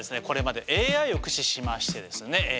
これまでＡＩを駆使しましてですね